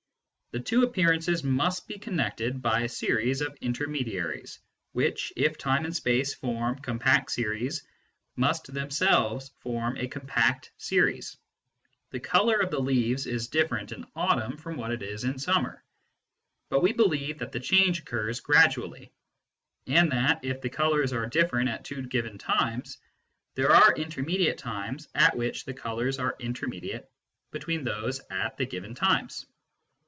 The two appearances must be connected by a series of inter mediaries, which, if time and space form compact series, must themselves form a compact series. The colour of the leaves is difierent in autumn from what it is in summer; but we believe that the change occurs gradually, and that, if the colours are different at two given times, there are intermediate times at which the colours are intermediate between those at the given times.